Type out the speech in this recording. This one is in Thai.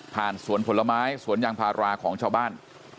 สวนผลไม้สวนยางพาราของชาวบ้าน